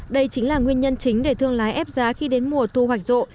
đây chính là nguyên nhân chính để thương lái ép giá khi đến mùa thu hoạch rộ